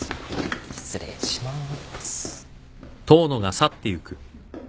失礼します。